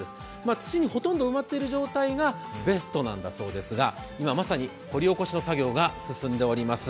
土にほとんど埋まってる状態がベストなんだそうですが、今、まさに掘り起こしの作業が進んでおります。